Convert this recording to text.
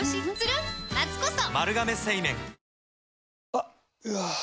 あっ、うわー。